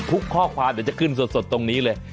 ข้อความเดี๋ยวจะขึ้นสดตรงนี้เลย